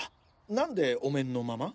何でお面のまま？